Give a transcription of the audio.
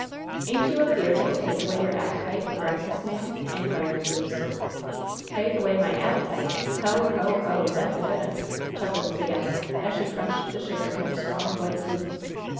"Ain't you afeared it will take away your appetite for breakfast, ma'am?" inquired Luce. "Take away my appetite? Ho! ho! ho! That's a good un!" chuckled the guest, as she crunched the sugar in her strong, white teeth.